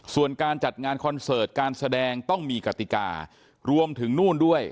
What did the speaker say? ส่วนการจัดงานคอนเสิร์ตการแสดงต้องมีกติการวมถึงนู่นด้วย